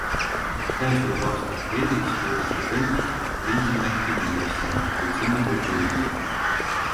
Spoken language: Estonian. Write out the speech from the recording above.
Käesoleva aasta aprillis oodati Pönkät Riihimäki vanglasse, kuid sinna pole ta ilmunud.